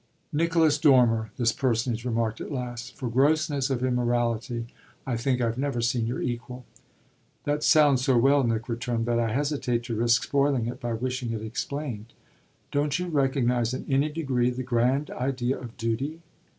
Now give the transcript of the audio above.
"Nicholas Dormer," this personage remarked at last, "for grossness of immorality I think I've never seen your equal." "That sounds so well," Nick returned, "that I hesitate to risk spoiling it by wishing it explained." "Don't you recognise in any degree the grand idea of duty?"